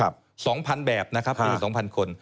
๒๐๐๐แบบนะครับแรกเป็น๒๐๐๐คน